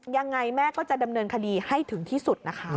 ยังไงแม่ก็จะดำเนินคดีให้ถึงที่สุดนะคะ